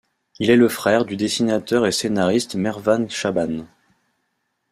Il est le frère du dessinateur et scénariste Merwan Chabane.